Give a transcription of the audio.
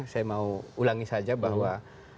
saya mau ulangi saja bahwa